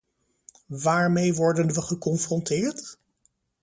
Waarmee worden we geconfronteerd?